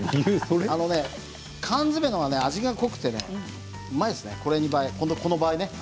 缶詰のは味が濃くてうまいですねこの場合ね。